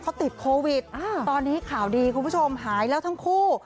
เขาติดโควิดตอนนี้ข่าวดีคุณผู้ชมหายแล้วทั้งคู่